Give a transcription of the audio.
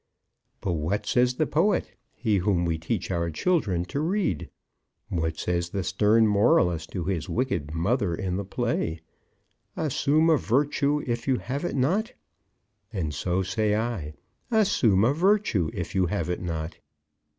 But what says the poet, he whom we teach our children to read? What says the stern moralist to his wicked mother in the play? "Assume a virtue if you have it not?" and so say I. "Assume a virtue if you have it not."